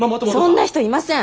そんな人いません。